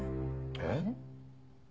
えっ？